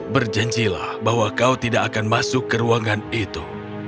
berjanjilah bahwa kau tidak akan masuk ke ruangan itu